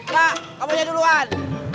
tak kamu yang duluan